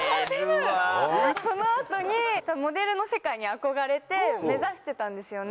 その後にモデルの世界に憧れて目指してたんですよね。